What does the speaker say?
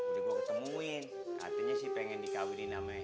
udah gue ketemuin katanya sih pengen dikabili namanya